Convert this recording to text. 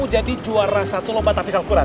kamu jadi juara satu lomba tafis al quran